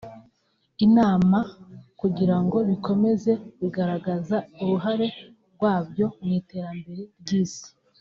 inama kugira ngo bikomeze bigaragaza uruhare rwabyo mu iterambere ry’Isi